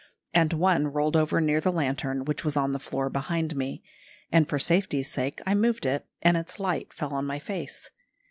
And one rolled over near the lantern which was on the floor behind me, and for safety's sake I moved it, and its light fell on my face.